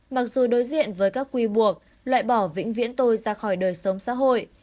mặc dù đối diện với các quy buộc loại bỏ vĩnh viễn tôi ra khỏi đời sống xã hội